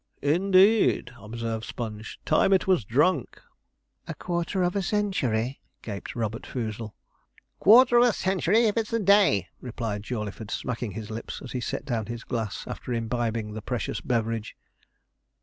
'Indeed,' observed Sponge: 'time it was drunk.' 'A quarter of a century?' gaped Robert Foozle. 'Quarter of a century if it's a day,' replied Jawleyford, smacking his lips as he set down his glass after imbibing the precious beverage.